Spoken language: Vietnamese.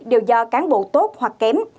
đều do cán bộ tốt hoặc kém